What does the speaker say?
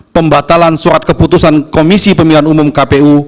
pembatalan surat keputusan komisi pemilihan umum kpu